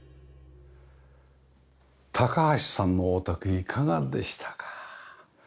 高橋さんのお宅いかがでしたか？